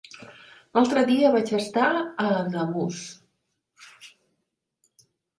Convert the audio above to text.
L'altre dia vaig estar a Ademús.